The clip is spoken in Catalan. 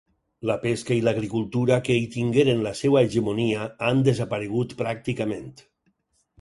La pesca i l'agricultura que hi tingueren la seua hegemonia han desaparegut pràcticament.